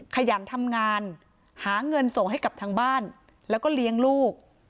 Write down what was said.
ขยันทำงานหาเงินส่งให้กับทางบ้านแล้วก็เลี้ยงลูก